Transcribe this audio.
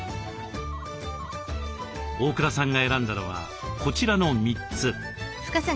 大倉さんが選んだのはこちらの３つ。